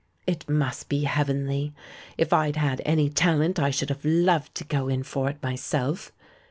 "It must be heavenly. If I'd had any talent I should have loved to go in for it myself.